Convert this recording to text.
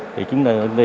thì chúng ta